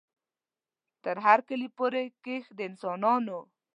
تر هر کلي پوري کښ د انسانانو